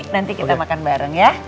nanti kita makan bareng ya